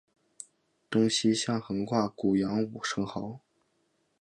东西向横跨古杨吴城壕。